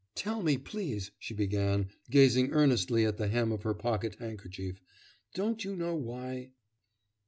'Tell me, please,' she began, gazing earnestly at the hem of her pocket handkerchief, 'don't you know why...